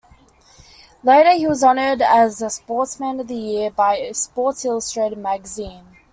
Later he was honored as the Sportsman of the Year by "Sports Illustrated" magazine.